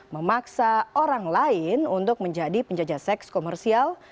memaksa orang lain untuk menjadi penjajah seks komersial